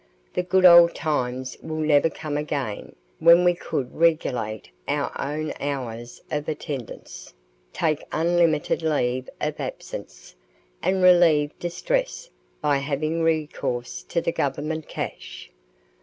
The good old times will never come again, when we could regulate our own hours of attendance, take unlimited leave of absence, and relieve distress by having recourse to the Government cash.